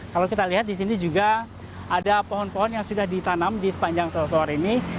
kalau kita lihat di sini juga ada pohon pohon yang sudah ditanam di sepanjang trotoar ini